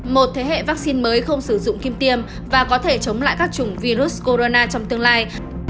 một thế hệ vaccine mới không sử dụng kim tiêm và có thể chống lại các chủng virus corona trong tương lai